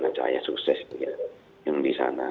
ada ayah sukses yang di sana